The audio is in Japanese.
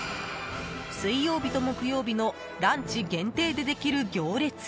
水曜日と木曜日のランチ限定でできる行列。